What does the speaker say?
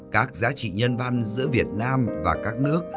các giá trị nhân văn giữa việt nam và các nước